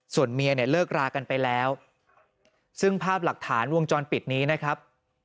ส่วนเมียเนี่ยเลิกรากันไปแล้วซึ่งภาพหลักฐานวงจรปิดนี้นะครับ